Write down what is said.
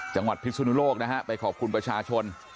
จังหวัดพิสุนุโลกนะฮะไปขอบคุณประชาชน